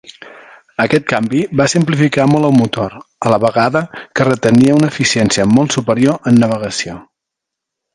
Aquest canvi va simplificar molt el motor, a la vegada que retenia una eficiència molt superior en navegació.